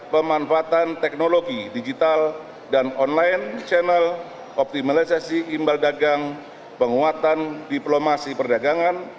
pemanfaatan teknologi digital dan online channel optimalisasi imbal dagang penguatan diplomasi perdagangan